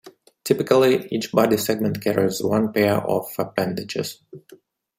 Typically, each body segment carries one pair of appendages.